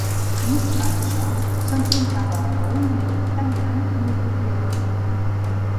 No obstant això, s'enfrontava a un enemic tan gran que no podia guanyar.